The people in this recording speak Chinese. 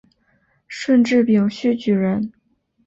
顺治丙戌举人。